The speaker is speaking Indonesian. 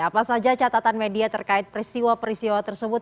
apa saja catatan media terkait perisiwa perisiwa tersebut